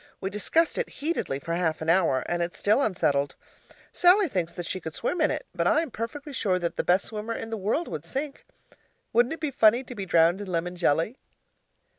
We discussed it heatedly for half an hour and it's still unsettled. Sallie thinks that she could swim in it, but I am perfectly sure that the best swimmer in the world would sink. Wouldn't it be funny to be drowned in lemon jelly?